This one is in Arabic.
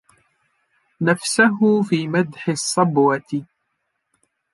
نَفْسَهُ فِي مَدْحِ الصَّبْوَةِ